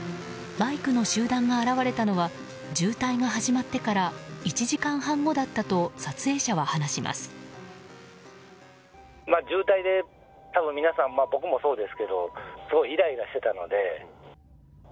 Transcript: バイクの集団が現れたのは渋滞が始まってから１時間半後だったと撮影者は話します。